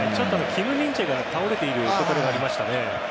キム・ミンジェが倒れているところがありましたね。